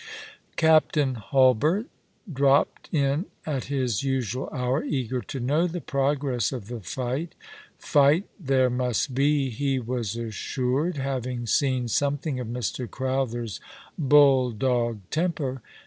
Captain Hulbert dropped in at his usual hour, eager to know the progress of the fight. Fight there must be, he was assured, having seen something of Mr. Crowther's bull dog temper.